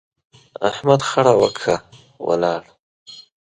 احمد خړه وکښه، ولاړ.